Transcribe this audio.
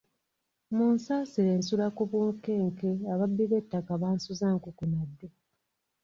Munsasire nsula ku bunkenke ababbi b'ettaka bansuza nkukunadde.